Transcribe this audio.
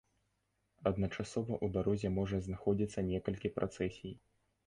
Адначасова ў дарозе можа знаходзіцца некалькі працэсій.